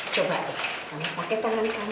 coba kamu pakai tangan kamu